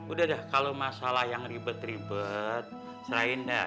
udah dah kalau masalah yang ribet ribet serahin dah